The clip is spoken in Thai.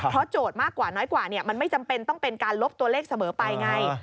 เพราะโจทย์มากกว่าน้อยกว่ามันไม่จำเป็นต้องเป็นการลบตัวเลขเสมอไปไง